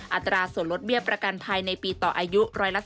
อัตราส่วนลดเบี้ยประกันภัยในปีต่ออายุ๑๓